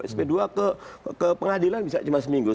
sp dua ke pengadilan bisa cuma seminggu